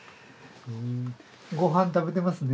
ご飯食べてますね？